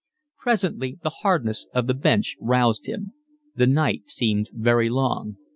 Presently the hardness of the bench roused him. The night seemed very long.